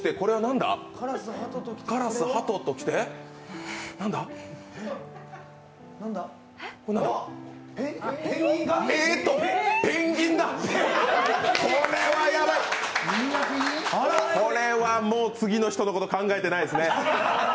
これはもう次の人のこと考えてないですね。